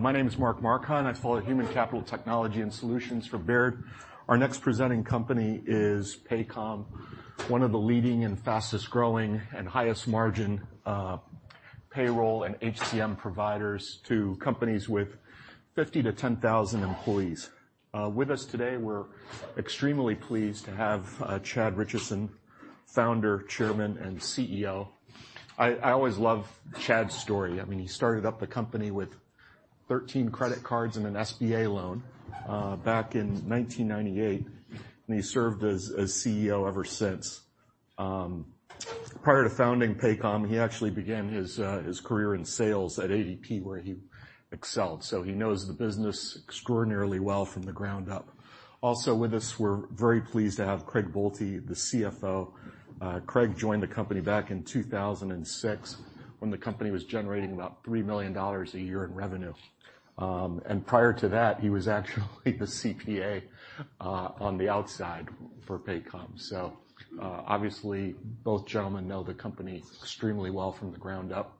My name is Mark Marcon. I follow human capital technology and solutions for Baird. Our next presenting company is Paycom, one of the leading and fastest-growing and highest margin payroll and HCM providers to companies with 50 to 10,000 employees. With us today, we're extremely pleased to have Chad Richison, founder, chairman, and CEO. I always love Chad's story. I mean, he started up the company with 13 credit cards and an SBA loan back in 1998, and he served as CEO ever since. Prior to founding Paycom, he actually began his career in sales at ADP, where he excelled, so he knows the business extraordinarily well from the ground up. Also with us, we're very pleased to have Craig Boelte, the CFO. Craig joined the company back in 2006 when the company was generating about $3 million a year in revenue. Prior to that, he was actually the CPA on the outside for Paycom. Obviously, both gentlemen know the company extremely well from the ground up.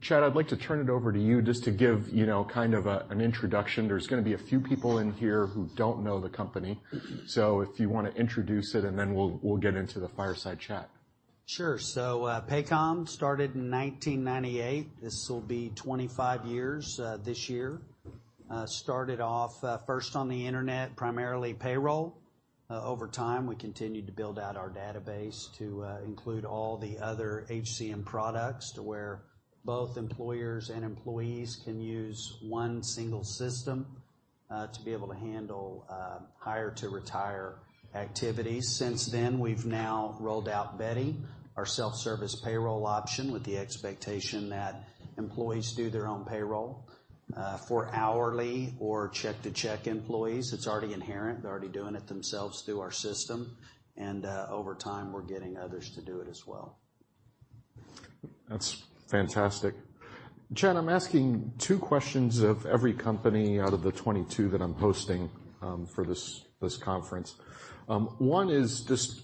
Chad, I'd like to turn it over to you just to give, you know, kind of an introduction. There's going to be a few people in here who don't know the company. If you want to introduce it, then we'll get into the fireside chat. Sure. Paycom started in 1998. This will be 25 years this year. Started off, first on the internet, primarily payroll. Over time, we continued to build out our database to include all the other HCM products, to where both employers and employees can use 1 single system to be able to handle hire-to-retire activities. Since then, we've now rolled out Beti, our self-service payroll option, with the expectation that employees do their own payroll. For hourly or check-to-check employees, it's already inherent. They're already doing it themselves through our system, over time, we're getting others to do it as well. That's fantastic. Chad, I'm asking 2 questions of every company out of the 22 that I'm hosting for this conference. One is just,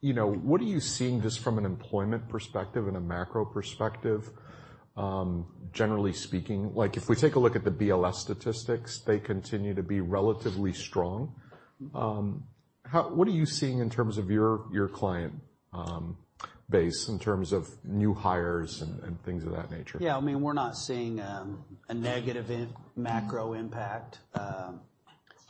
you know, what are you seeing just from an employment perspective and a macro perspective, generally speaking? Like, if we take a look at the BLS statistics, they continue to be relatively strong. What are you seeing in terms of your client base, in terms of new hires and things of that nature? I mean, we're not seeing a negative macro impact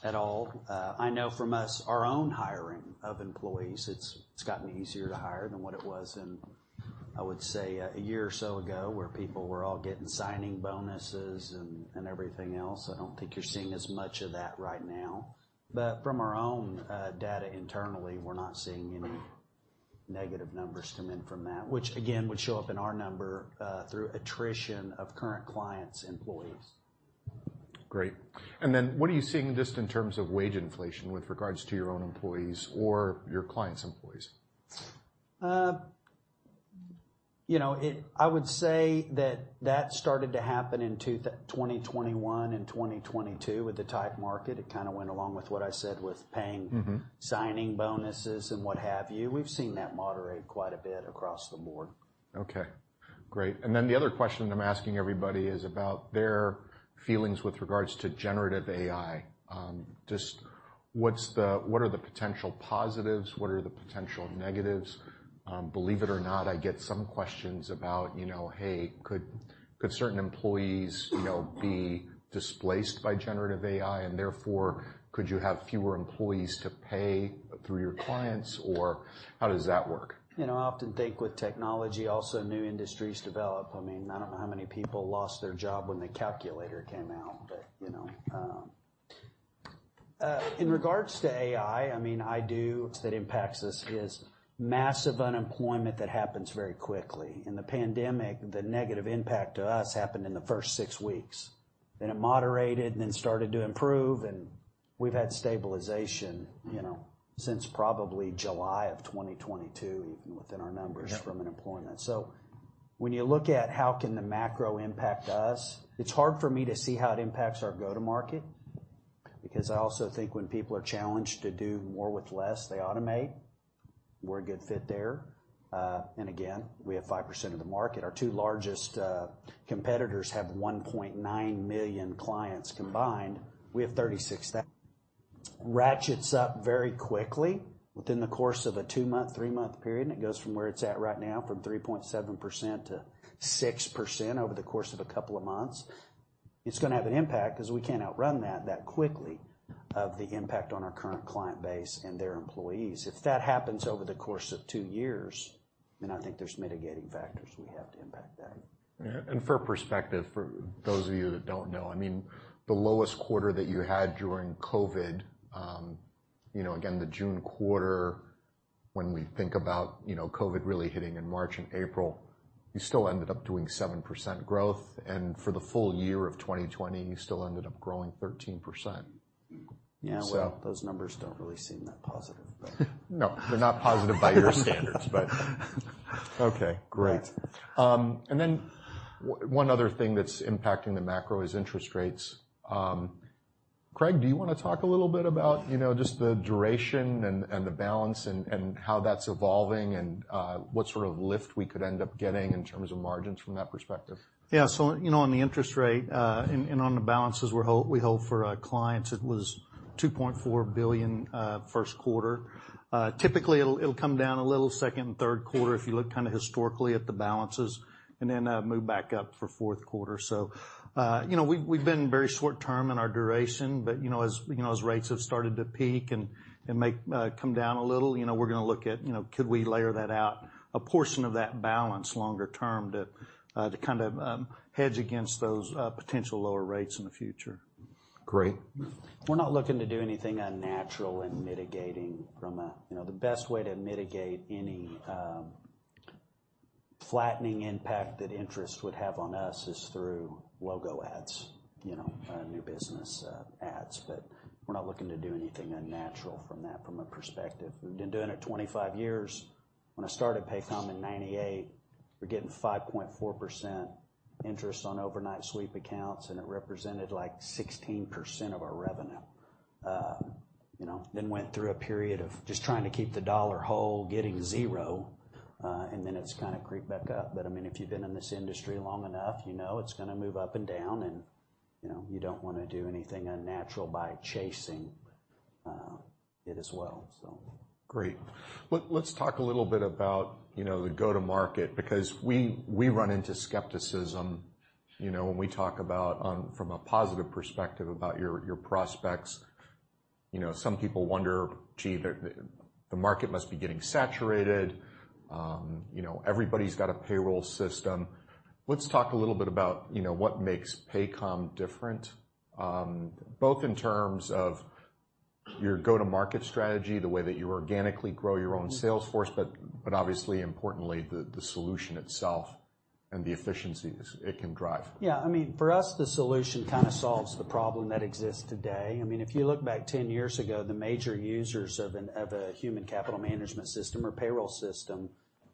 at all. I know from us, our own hiring of employees, it's gotten easier to hire than what it was in, I would say, a year or so ago, where people were all getting signing bonuses and everything else. I don't think you're seeing as much of that right now. From our own data internally, we're not seeing any negative numbers come in from that, which, again, would show up in our number through attrition of current clients' employees. Great. What are you seeing just in terms of wage inflation with regards to your own employees or your clients' employees? You know, I would say that that started to happen in 2021 and 2022 with the tight market. It kind of went along with what I said with paying... Mm-hmm. -signing bonuses and what have you. We've seen that moderate quite a bit across the board. Okay, great. The other question I'm asking everybody is about their feelings with regards to generative AI. What are the potential positives? What are the potential negatives? Believe it or not, I get some questions about, you know, "Hey, could certain employees, you know, be displaced by generative AI, and therefore, could you have fewer employees to pay through your clients, or how does that work? You know, I often think with technology, also new industries develop. I mean, I don't know how many people lost their job when the calculator came out, but, you know. In regards to AI, I mean, I do, that impacts us, is massive unemployment that happens very quickly. In the pandemic, the negative impact to us happened in the first six weeks. It moderated and then started to improve, and we've had stabilization, you know, since probably July of 2022, even within our numbers. Yeah from unemployment. When you look at how can the macro impact us, it's hard for me to see how it impacts our go-to-market, because I also think when people are challenged to do more with less, they automate. We're a good fit there. Again, we have 5% of the market. Our two largest competitors have 1.9 million clients combined. We have 36. Ratchets up very quickly within the course of a 2-month, 3-month period, it goes from where it's at right now, from 3.7% to 6% over the course of a couple of months. It's going to have an impact because we can't outrun that quickly, of the impact on our current client base and their employees. If that happens over the course of 2 years, I think there's mitigating factors we have to impact that. For perspective, for those of you that don't know, I mean, the lowest quarter that you had during COVID, you know, again, the June quarter, when we think about, you know, COVID really hitting in March and April, you still ended up doing 7% growth, and for the full year of 2020, you still ended up growing 13%. Yeah, well, those numbers don't really seem that positive, but... No, they're not positive by your standards. Okay, great. One other thing that's impacting the macro is interest rates. Craig Boelte, do you want to talk a little bit about, you know, just the duration and the balance and how that's evolving, and, what sort of lift we could end up getting in terms of margins from that perspective? Yeah. You know, on the interest rate, and on the balances we hold for our clients, it was $2.4 billion, first quarter. Typically, it'll come down a little second and third quarter, if you look kind of historically at the balances, and then, move back up for fourth quarter. You know, we've been very short term in our duration, but, you know, as, you know, as rates have started to peak and make come down a little, you know, we're gonna look at, you know, could we layer that out, a portion of that balance longer term, to kind of hedge against those, potential lower rates in the future. Great. We're not looking to do anything unnatural in mitigating. You know, the best way to mitigate any flattening impact that interest would have on us is through logo ads, you know, new business ads. We're not looking to do anything unnatural from that, from a perspective. We've been doing it 25 years. When I started Paycom in 1998, we were getting 5.4% interest on overnight sweep accounts, and it represented, like, 16% of our revenue. You know, then went through a period of just trying to keep the dollar whole, getting 0, and then it's kind of creeped back up. I mean, if you've been in this industry long enough, you know it's gonna move up and down and, you know, you don't want to do anything unnatural by chasing it as well, so. Great. Let's talk a little bit about, you know, the go-to-market, because we run into skepticism, you know, when we talk about, from a positive perspective, about your prospects. You know, some people wonder, gee, the market must be getting saturated, you know, everybody's got a payroll system. Let's talk a little bit about, you know, what makes Paycom different, both in terms of your go-to-market strategy, the way that you organically grow your own sales force, but obviously, importantly, the solution itself and the efficiencies it can drive. I mean, for us, the solution kind of solves the problem that exists today. If you look back 10 years ago, the major users of a human capital management system or payroll system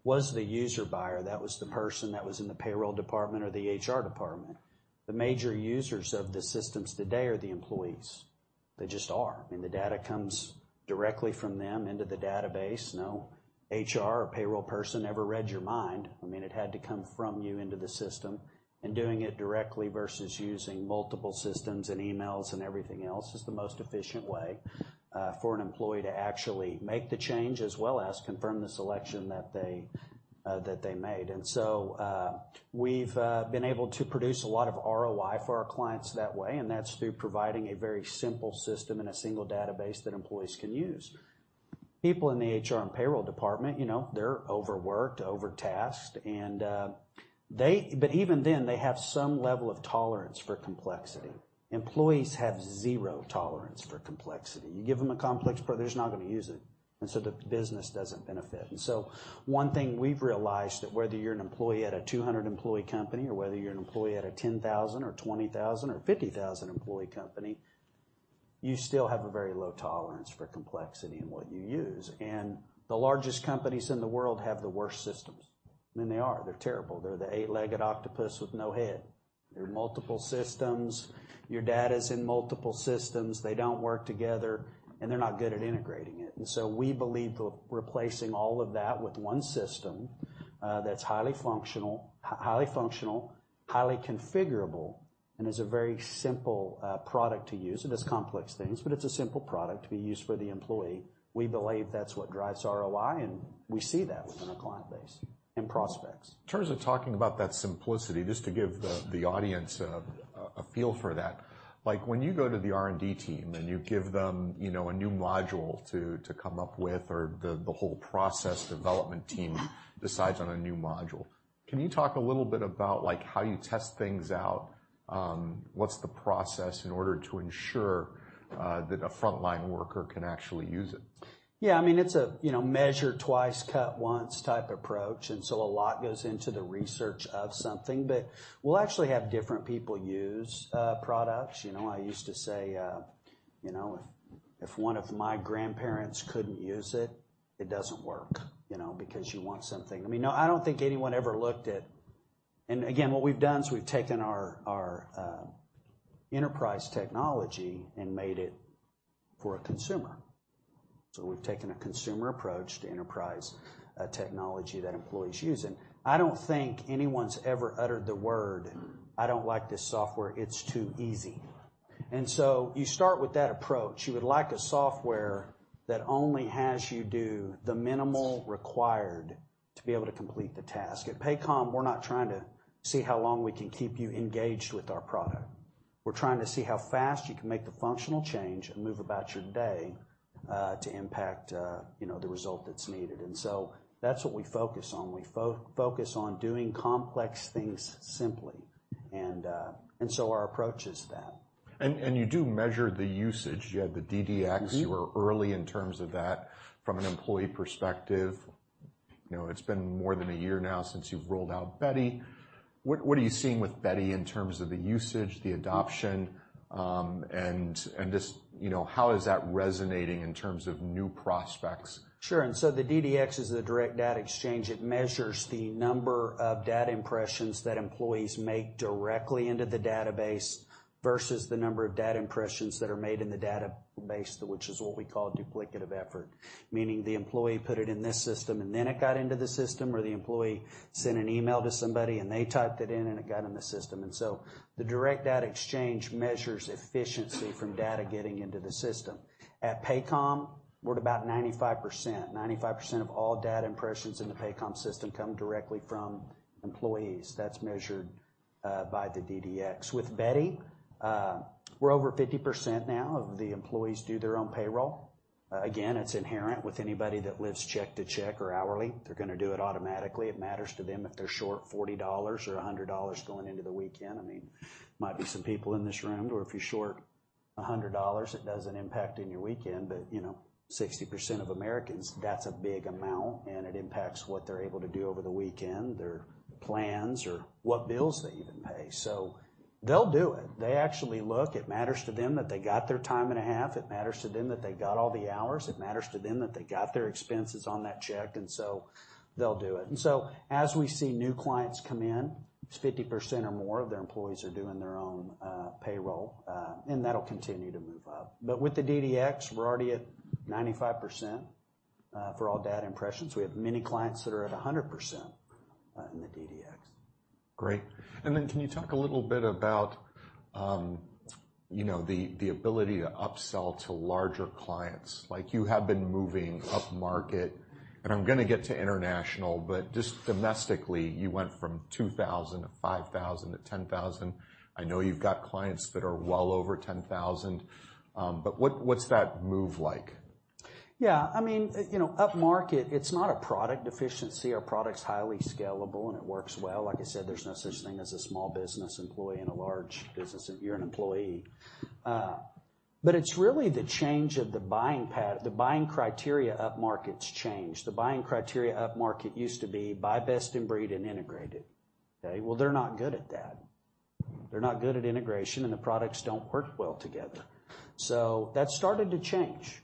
was the user buyer. That was the person that was in the payroll department or the HR department. The major users of the systems today are the employees. They just are. The data comes directly from them into the database. No HR or payroll person ever read your mind. It had to come from you into the system, and doing it directly versus using multiple systems and emails and everything else, is the most efficient way for an employee to actually make the change, as well as confirm the selection that they made. We've been able to produce a lot of ROI for our clients that way, and that's through providing a very simple system and a single database that employees can use. People in the HR and payroll department, you know, they're overworked, overtasked, and even then, they have some level of tolerance for complexity. Employees have zero tolerance for complexity. You give them a complex product, they're just not going to use it, and so the business doesn't benefit. One thing we've realized that whether you're an employee at a 200-employee company or whether you're an employee at a 10,000 or 20,000 or 50,000-employee company, you still have a very low tolerance for complexity in what you use. The largest companies in the world have the worst systems. I mean, they are. They're terrible. They're the eight-legged octopus with no head. There are multiple systems. Your data is in multiple systems. They don't work together, and they're not good at integrating it. We believe that replacing all of that with one system that's highly functional, highly configurable, and is a very simple product to use. It is complex things, but it's a simple product to be used for the employee. We believe that's what drives ROI, and we see that within our client base and prospects. In terms of talking about that simplicity, just to give the audience a feel for that, like, when you go to the R&D team and you give them, you know, a new module to come up with or the whole process development team decides on a new module, can you talk a little bit about, like, how you test things out? What's the process in order to ensure that a frontline worker can actually use it? Yeah, I mean, it's a, you know, measure twice, cut once type approach. A lot goes into the research of something. We'll actually have different people use products. You know, I used to say, you know, if one of my grandparents couldn't use it doesn't work, you know, because you want something. Again, what we've done is we've taken our enterprise technology and made it for a consumer. We've taken a consumer approach to enterprise technology that employees use. I don't think anyone's ever uttered the word: "I don't like this software, it's too easy." You start with that approach. You would like a software that only has you do the minimal required to be able to complete the task. At Paycom, we're not trying to see how long we can keep you engaged with our product. We're trying to see how fast you can make the functional change and move about your day, to impact, you know, the result that's needed. That's what we focus on. We focus on doing complex things simply. Our approach is that. You do measure the usage. You have the DDX. Mm-hmm. You are early in terms of that from an employee perspective. You know, it's been more than a year now since you've rolled out Beti. What are you seeing with Beti in terms of the usage, the adoption, and you know, how is that resonating in terms of new prospects? Sure. The DDX is the Direct Data Exchange. It measures the number of data impressions that employees make directly into the database versus the number of data impressions that are made in the database, which is what we call duplicative effort, meaning the employee put it in this system, and then it got into the system, or the employee sent an email to somebody, and they typed it in, and it got in the system. The Direct Data Exchange measures efficiency from data getting into the system. At Paycom, we're at about 95%. 95% of all data impressions in the Paycom system come directly from employees. That's measured by the DDX. With Beti, we're over 50% now of the employees do their own payroll. Again, it's inherent with anybody that lives check to check or hourly. They're going to do it automatically. It matters to them if they're short $40 or $100 going into the weekend. I mean, might be some people in this room where if you're short $100, it doesn't impact in your weekend, but, you know, 60% of Americans, that's a big amount, and it impacts what they're able to do over the weekend, their plans, or what bills they even pay. They'll do it. They actually look. It matters to them that they got their time and a half. It matters to them that they got all the hours. It matters to them that they got their expenses on that check, and so they'll do it. As we see new clients come in, it's 50% or more of their employees are doing their own payroll, and that'll continue to move up. With the DDX, we're already at 95% for all data impressions. We have many clients that are at 100% in the DDX. Great. Can you talk a little bit about, you know, the ability to upsell to larger clients? Like, you have been moving upmarket, and I'm going to get to international, but just domestically, you went from 2,000 to 5,000 to 10,000. I know you've got clients that are well over 10,000, but what's that move like? Yeah, I mean, you know, upmarket, it's not a product deficiency. Our product's highly scalable, and it works well. Like I said, there's no such thing as a small business employee in a large business if you're an employee. But it's really the change of the buying criteria upmarket's changed. The buying criteria upmarket used to be buy best in breed and integrated. Okay, well, they're not good at that. They're not good at integration, and the products don't work well together. That started to change,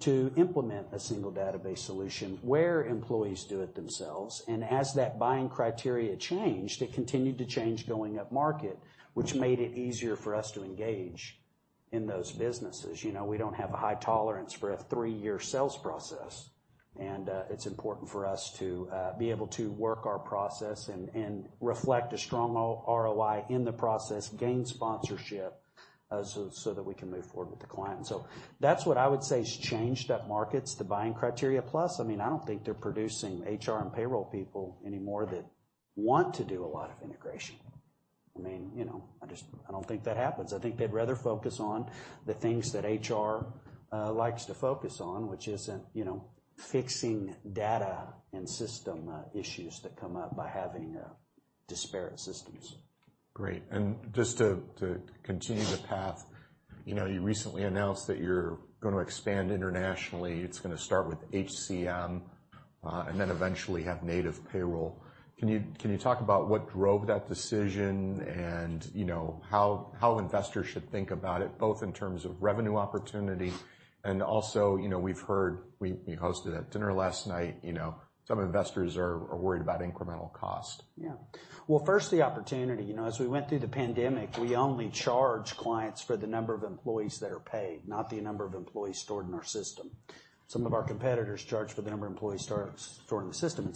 to implement a single database solution where employees do it themselves, and as that buying criteria changed, it continued to change going upmarket, which made it easier for us to engage in those businesses. You know, we don't have a high tolerance for a 3-year sales process, and it's important for us to be able to work our process and reflect a strong ROI in the process, gain sponsorship, so that we can move forward with the client. That's what I would say has changed upmarkets, the buying criteria. I mean, I don't think they're producing HR and payroll people anymore that want to do a lot of integration. I mean, you know, I don't think that happens. I think they'd rather focus on the things that HR likes to focus on, which isn't, you know, fixing data and system issues that come up by having disparate systems. Great. Just to continue the path, you know, you recently announced that you're going to expand internationally. It's going to start with HCM and then eventually have native payroll. Can you talk about what drove that decision and, you know, how investors should think about it, both in terms of revenue opportunity and also, you know, we've heard. We hosted a dinner last night, you know. Some investors are worried about incremental cost. Yeah. Well, first, the opportunity. You know, as we went through the pandemic, we only charged clients for the number of employees that are paid, not the number of employees stored in our system. Some of our competitors charged for the number of employees stored in the system,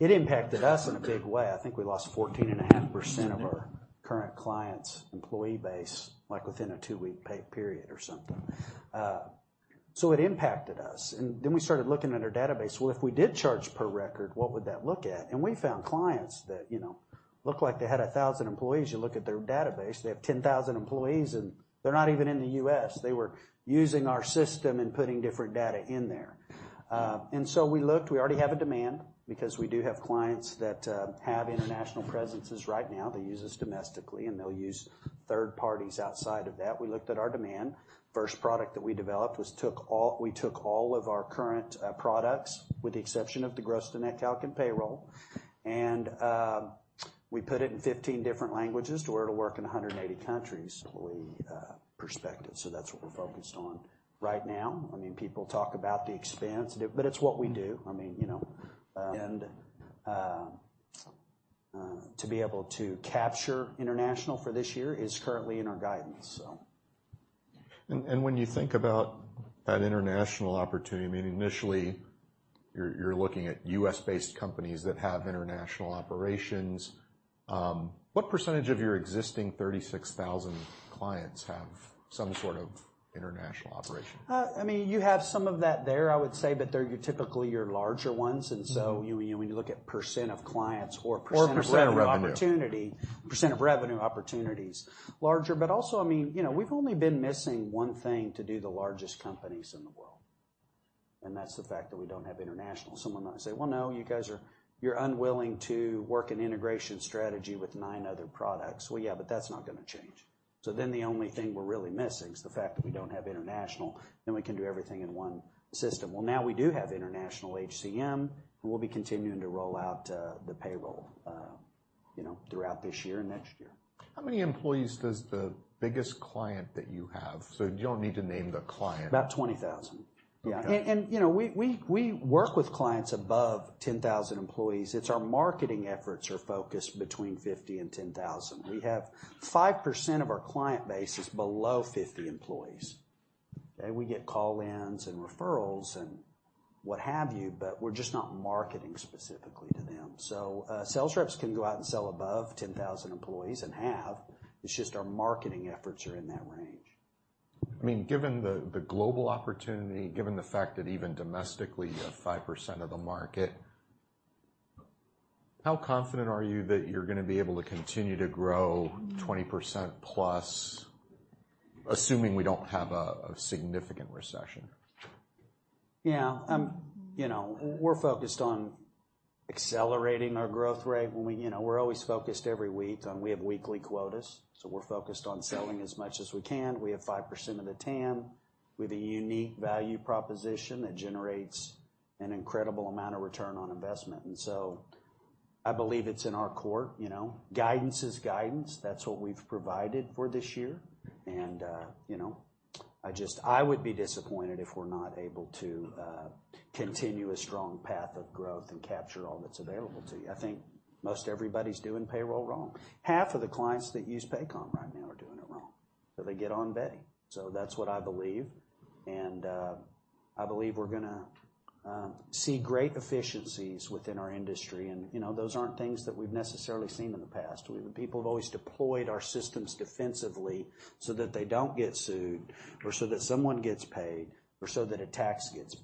it impacted us in a big way. I think we lost 14.5% of our current clients' employee base, like, within a two-week pay period or something. It impacted us. Then we started looking at our database. Well, if we did charge per record, what would that look at? We found clients that, you know, looked like they had 1,000 employees. You look at their database, they have 10,000 employees, and they're not even in the U.S. They were using our system and putting different data in there. We looked. We already have a demand because we do have clients that have international presences right now. They use us domestically, and they'll use third parties outside of that. We looked at our demand. First product that we developed was we took all of our current products, with the exception of the gross to net calc and payroll, we put it in 15 different languages to where it'll work in 180 countries, employee perspective. That's what we're focused on right now. I mean, people talk about the expanse, but it's what we do. I mean, you know, to be able to capture international for this year is currently in our guidance. When you think about that international opportunity, I mean, initially, you're looking at US-based companies that have international operations. What percentage of your existing 36,000 clients have some sort of international operation? I mean, you have some of that there, I would say, but they're typically your larger ones. Mm-hmm. You, when you look at % of clients or- percent of revenue.... percent of revenue opportunity, percent of revenue opportunities, larger. Also, I mean, you know, we've only been missing one thing to do the largest companies in the world, and that's the fact that we don't have international. Someone might say, "Well, no, you're unwilling to work an integration strategy with nine other products." Well, yeah, that's not going to change. The only thing we're really missing is the fact that we don't have international, then we can do everything in one system. Well, now we do have international HCM, and we'll be continuing to roll out the payroll... you know, throughout this year and next year. How many employees does the biggest client that you have? You don't need to name the client. About $20,000. Okay. Yeah, you know, we work with clients above 10,000 employees. It's our marketing efforts are focused between 50 and 10,000. We have 5% of our client base is below 50 employees. Okay? We get call-ins and referrals and what have you, but we're just not marketing specifically to them. Sales reps can go out and sell above 10,000 employees, it's just our marketing efforts are in that range. I mean, given the global opportunity, given the fact that even domestically, you have 5% of the market, how confident are you that you're gonna be able to continue to grow 20%+ assuming we don't have a significant recession? Yeah, you know, we're focused on accelerating our growth rate. You know, we're always focused every week on. We have weekly quotas, so we're focused on selling as much as we can. We have 5% of the TAM with a unique value proposition that generates an incredible amount of return on investment. I believe it's in our core. You know, guidance is guidance. That's what we've provided for this year, you know, I would be disappointed if we're not able to continue a strong path of growth and capture all that's available to you. I think most everybody's doing payroll wrong. Half of the clients that use Paycom right now are doing it wrong. They get on Beti. That's what I believe, and, I believe we're gonna see great efficiencies within our industry, and, you know, those aren't things that we've necessarily seen in the past. People have always deployed our systems defensively so that they don't get sued, or so that someone gets paid, or so that a tax gets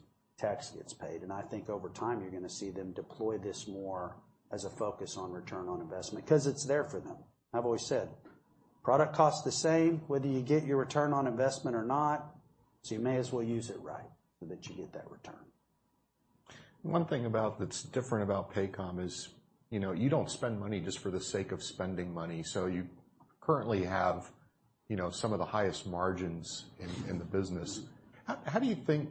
paid. I think over time, you're gonna see them deploy this more as a focus on return on investment, 'cause it's there for them. I've always said, product costs the same whether you get your return on investment or not, so you may as well use it right so that you get that return. That's different about Paycom is, you know, you don't spend money just for the sake of spending money. You currently have, you know, some of the highest margins in the business. Mm-hmm. How do you think,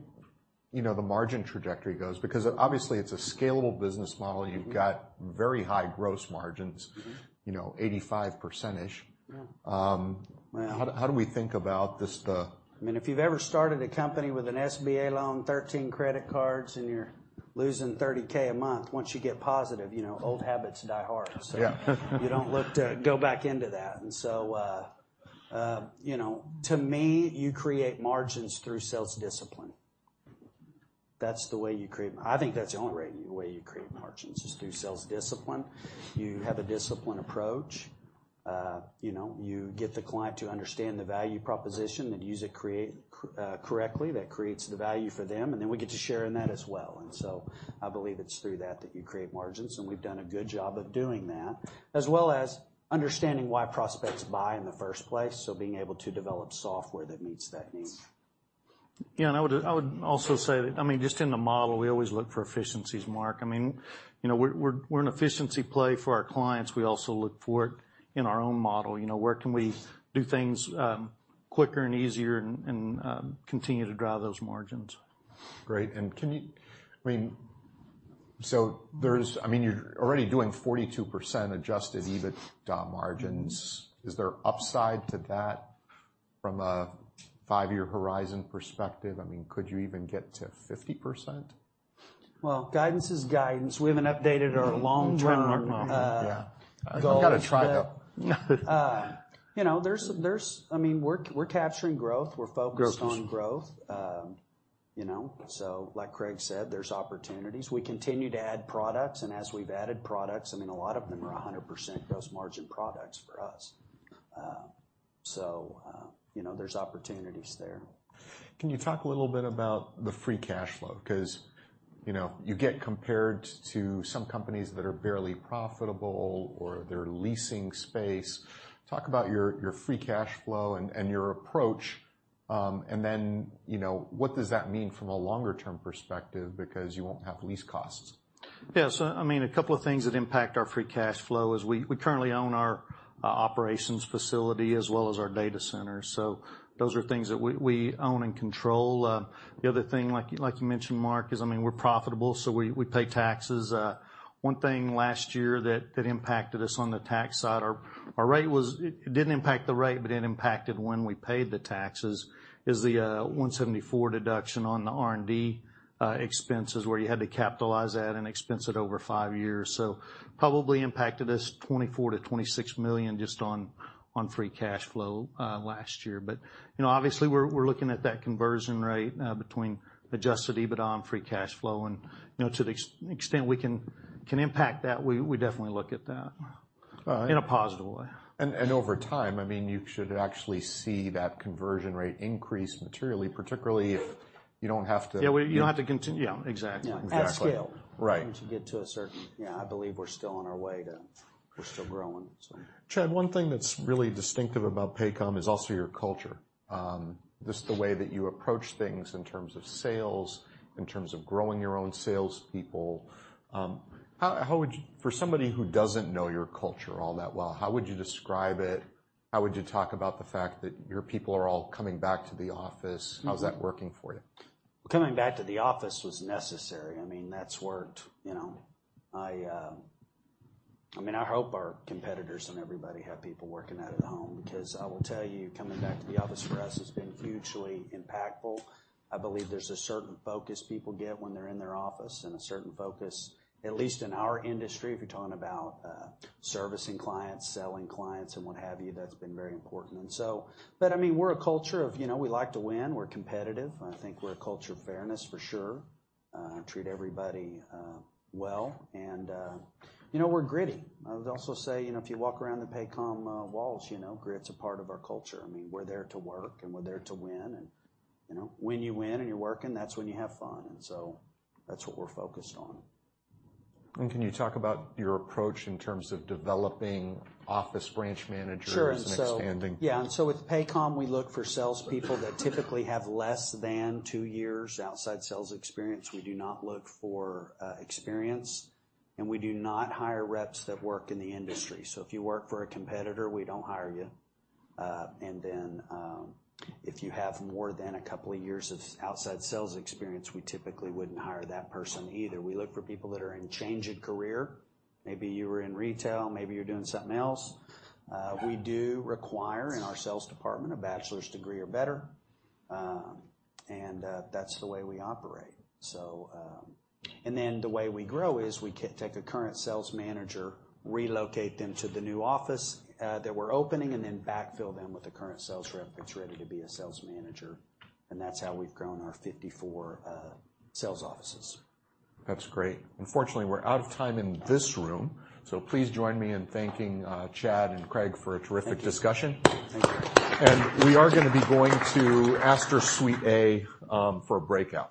you know, the margin trajectory goes? Obviously, it's a scalable business model. Mm-hmm. You've got very high gross margins. Mm-hmm. you know, 85%. Yeah. how do we think about this? I mean, if you've ever started a company with an SBA loan, 13 credit cards, and you're losing $30K a month, once you get positive, you know, old habits die hard. Yeah. You don't look to go back into that. You know, to me, you create margins through sales discipline. That's the way you create. I think that's the only way you create margins is through sales discipline. You have a disciplined approach. You know, you get the client to understand the value proposition and use it create, correctly. That creates the value for them, and then we get to share in that as well. I believe it's through that you create margins, and we've done a good job of doing that, as well as understanding why prospects buy in the first place, so being able to develop software that meets that need. Yeah, I would also say that, I mean, just in the model, we always look for efficiencies, Mark. I mean, you know, we're an efficiency play for our clients. We also look for it in our own model. You know, where can we do things quicker and easier and continue to drive those margins? Great. I mean, so I mean, you're already doing 42% adjusted EBITDA margins. Mm-hmm. Is there upside to that from a five-year horizon perspective? I mean, could you even get to 50%? Well, guidance is guidance. We haven't updated our long-term. Mm-hmm. Try to mark them off. -uh- Yeah. Goals. I've got to try, though. You know, there's I mean, we're capturing growth. Growth. We're focused on growth. you know, so like Craig said, there's opportunities. We continue to add products, and as we've added products, I mean, a lot of them are 100% gross margin products for us. you know, there's opportunities there. Can you talk a little bit about the free cash flow? 'Cause, you know, you get compared to some companies that are barely profitable, or they're leasing space. Talk about your free cash flow and your approach, and then, you know, what does that mean from a longer term perspective? Because you won't have lease costs. Yes. I mean, a couple of things that impact our free cash flow is we currently own our operations facility as well as our data center, so those are things that we own and control. The other thing, like you mentioned, Mark, is, I mean, we're profitable, so we pay taxes. One thing last year that impacted us on the tax side, it didn't impact the rate, but it impacted when we paid the taxes, is the Section 174 deduction on the R&D expenses, where you had to capitalize that and expense it over five years. Probably impacted us $24 million-$26 million just on free cash flow last year. You know, obviously we're looking at that conversion rate between adjusted EBITDA and free cash flow, and, you know, to the extent we can impact that, we definitely look at that. Uh- In a positive way. Over time, I mean, you should actually see that conversion rate increase materially, particularly if you don't. Yeah, well, you don't have to continue. Yeah, exactly. Yeah. Exactly. At scale. Right. Yeah, I believe we're still growing, so. Chad, one thing that's really distinctive about Paycom is also your culture, just the way that you approach things in terms of sales, in terms of growing your own salespeople. For somebody who doesn't know your culture all that well, how would you describe it? How would you talk about the fact that your people are all coming back to the office? How's that working for you? Coming back to the office was necessary. I mean, that's worked. You know, I mean, I hope our competitors and everybody have people working out at home, because I will tell you, coming back to the office for us has been hugely impactful. I believe there's a certain focus people get when they're in their office and a certain focus, at least in our industry, if you're talking about servicing clients, selling clients, and what have you, that's been very important. I mean, we're a culture of, you know, we like to win. We're competitive. I think we're a culture of fairness for sure, treat everybody well, and, you know, we're gritty. I would also say, you know, if you walk around the Paycom walls, you know, grit's a part of our culture. I mean, we're there to work, and we're there to win, and, you know, when you win and you're working, that's when you have fun. That's what we're focused on. Can you talk about your approach in terms of developing office branch managers? Sure. expanding? Yeah. With Paycom, we look for salespeople that typically have less than 2 years outside sales experience. We do not look for experience, and we do not hire reps that work in the industry. If you work for a competitor, we don't hire you. If you have more than a couple of years of outside sales experience, we typically wouldn't hire that person either. We look for people that are in changing career. Maybe you were in retail, maybe you're doing something else. We do require in our sales department a bachelor's degree or better, that's the way we operate. The way we grow is we take a current sales manager, relocate them to the new office that we're opening, and then backfill them with a current sales rep that's ready to be a sales manager, and that's how we've grown our 54 sales offices. That's great. Unfortunately, we're out of time in this room, so please join me in thanking, Chad Richison and Craig Boelte for a terrific discussion. Thank you. We are gonna be going to Astor Suite A, for a breakout.